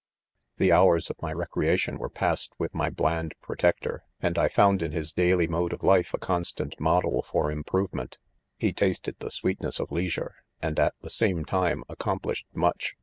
: The hours of m yxecr eat ion were passed with my Maud protector, and I found in his daily mode ©f life, a, constant model for improve ment. EPILOGUE. : gll? ■ He tasted the sweetness of leisure, and aV the same time, accomplished much.